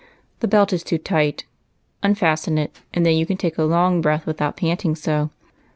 That belt is too tight ; unfasten it, then you can take a long breath without panting so."